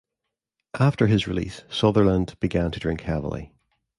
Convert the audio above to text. After his release Sutherland began to drink heavily.